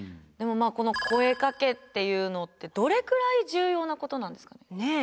でもまあこの声かけっていうのってどれくらい重要なことなんですかね？